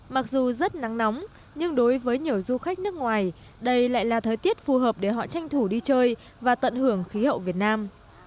mặc dù rất nắng nóng nhưng đối với nhiều du khách nước ngoài đây lại là thời tiết phù hợp để họ tranh thủ đi chơi và tận hưởng khí hậu việt nam